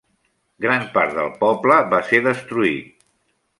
Gran part del poble va ser destruït.